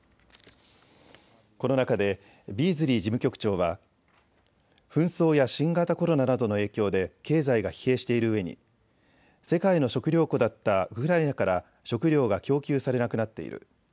この中でビーズリー事務局長は、紛争や新型コロナなどの影響で経済が疲弊しているうえに世界の食料庫だったウクライナから食料が供給されなくなっている。